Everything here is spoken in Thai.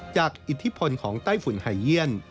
จากอิทธิพลของใต้ฝุ่นไหยเยี่ยน